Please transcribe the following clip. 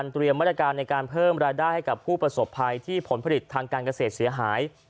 มาตรการในการเพิ่มรายได้ให้กับผู้ประสบภัยที่ผลผลิตทางการเกษตรเสียหาย